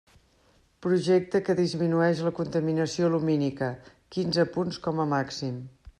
Projecte que disminueix la contaminació lumínica, quinze punts com a màxim.